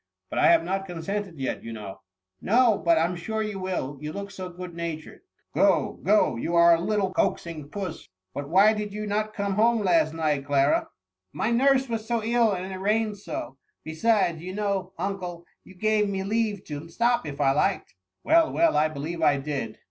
" But I have not consented yet, you know." Si 80 THE MUMMV. *' No, but I 'm sure you will, you look so good natured/' " Go, go, you are a little coaxing puss : but why did you not come home last night, Clara ?*'My nurse was so ill, and it rained so : be sides, you know, uncle, you gave me leave to stop, if I liked.*" Well, well, I believe I did.